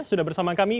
sudah bersama kami